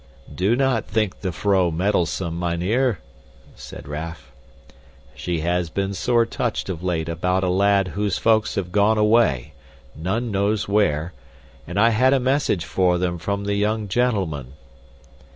"Do not think the vrouw meddlesome, mynheer," said Raff. "She has been sore touched of late about a lad whose folks have gone away none knows where and I had a message for them from the young gentleman."